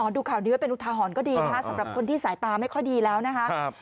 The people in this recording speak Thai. ดูข่าวนี้ไว้เป็นอุทาหรณ์ก็ดีนะคะสำหรับคนที่สายตาไม่ค่อยดีแล้วนะคะ